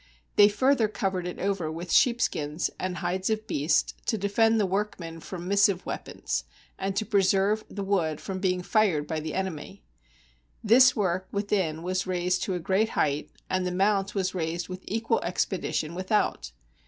They further covered it over with sheepskins and hides of beasts, to defend the workmen from missive weapons, and to preserve the wood from being fired by the enemy. This work within was raised to a great height, and the mount was raised with equal expedition without.